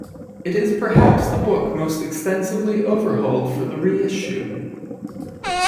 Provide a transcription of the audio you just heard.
It is perhaps the book most extensively overhauled for the reissue.